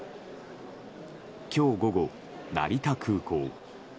今日午後、成田空港。